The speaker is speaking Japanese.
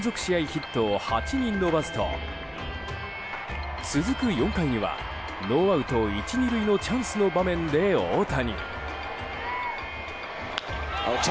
ヒットを８に伸ばすと続く４回にはノーアウト１、２塁のチャンスの場面で大谷。